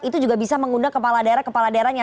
itu juga bisa mengundang kepala daerah kepala daerahnya